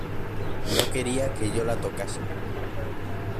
no quería que yo la tocase.